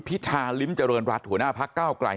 ปิทาลิมจำรสหัวหน้าภักร์ก้าวกลาย